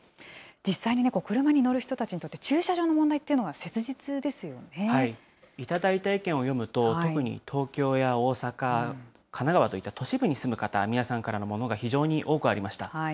実際にクルマに乗る人たちにとって、駐車場の問題というのは頂いた意見を読むと、特に東京や大阪、神奈川といった都市部に住む方、皆さんからのものが非常に多くありました。